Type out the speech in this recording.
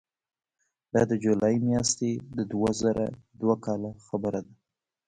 دا د جولای میاشتې د دوه زره دوه کاله خبره ده.